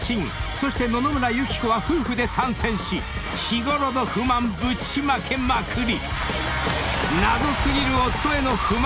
そして野々村友紀子は夫婦で参戦し日ごろの不満ぶちまけまくり！］